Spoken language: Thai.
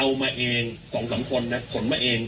เอามาเอง๒๓คนนะขนมาเอง